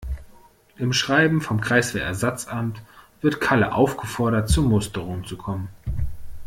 Im Schreiben vom Kreiswehrersatzamt wird Kalle aufgefordert, zur Musterung zu kommen.